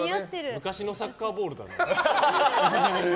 昔のサッカーボール。